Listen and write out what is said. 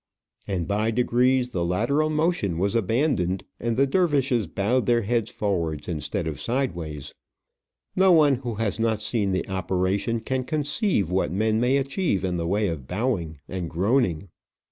And by degrees the lateral motion was abandoned, and the dervishes bowed their heads forwards instead of sideways. No one who has not seen the operation can conceive what men may achieve in the way of bowing and groaning.